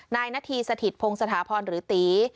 นายนาธีสถิตพงศาพรหรือตี